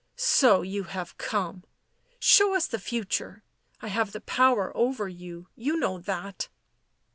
" So you have come. Show us the future. I have the power over you. You know that."